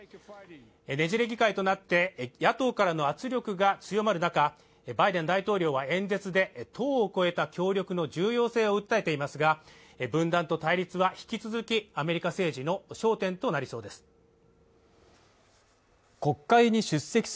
ねじれ議会となって野党からの圧力が強まる中バイデン大統領は演説で党を超えた協力の重要性を訴えていますが分断と対立は引き続きアメリカ政治の焦点となりそうです